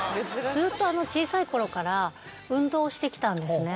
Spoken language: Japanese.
ずっと小さいころから運動してきたんですね。